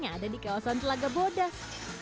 yang ada di kawasan telaga bodas